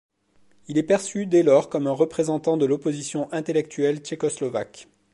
Il est perçu dès lors comme un représentant de l'opposition intellectuelle tchécoslovaque.